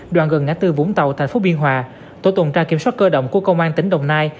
đoạn gần ngã tư vũng tàu thành phố biên hòa tổ tuần tra kiểm soát cơ động của công an tỉnh đồng nai